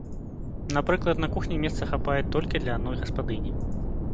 Напрыклад, на кухні месца хапае толькі для адной гаспадыні.